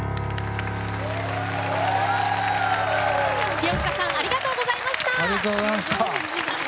清塚さんありがとうございました。